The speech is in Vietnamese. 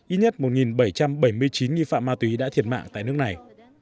ít nhất một bảy trăm bảy mươi chín nghi phạm ma túy đã thiệt mạng tại nước này